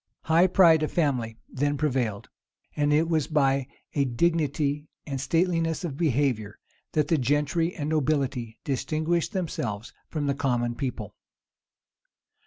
High pride of family then prevailed; and it was by a dignity and stateliness of behavior, that the gentry and nobility distinguished themselves from the common people.